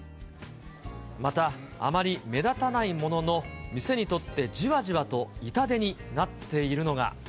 また、あまり目立たないものの、店にとってじわじわと痛手になっているのが。